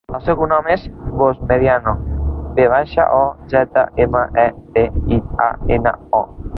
El seu cognom és Vozmediano: ve baixa, o, zeta, ema, e, de, i, a, ena, o.